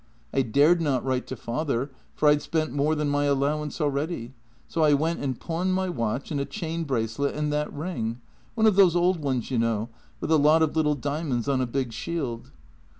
I dared not write to father, for I'd spent more than my allowance already, so I went and pawned my watch and a chain brace let and that ring — one of those old ones, you know, with a lot of little diamonds on a big shield.